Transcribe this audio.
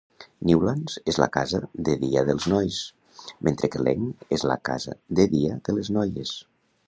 Newlands és la casa de dia dels nois, mentre que Laing és la casa de dia de les noies.